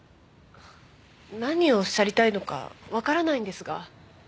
何をおっしゃりたいのかわからないんですが。